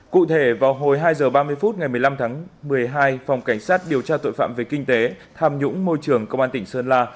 cụ thể vào hồi hai h ba mươi phút ngày một mươi năm tháng một mươi hai phòng cảnh sát điều tra tội phạm về kinh tế tham nhũng môi trường công an tỉnh sơn la